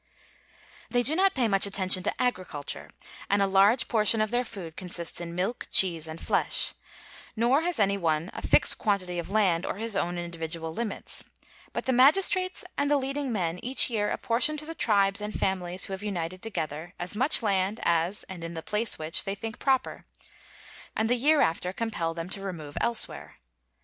They do not pay much attention to agriculture, and a large portion of their food consists in milk, cheese, and flesh; nor has any one a fixed quantity of land or his own individual limits; but the magistrates and the leading men each year apportion to the tribes and families who have united together, as much land as, and in the place in which, they think proper, and the year after compel them to remove elsewhere.